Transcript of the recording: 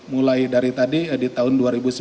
mulai dari tadi di tahun dua ribu sembilan belas